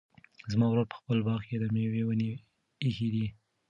زما ورور په خپل باغ کې د مېوو ونې ایښي دي.